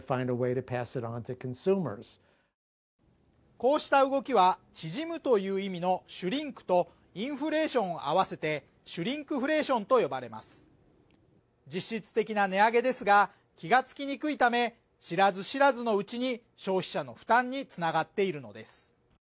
こうした動きは縮むという意味のシュリンクとインフレーションを合わせてシュリンクフレーションと呼ばれます実質的な値上げですが気がつきにくいため知らず知らずのうちに消費者の負担につながっているのです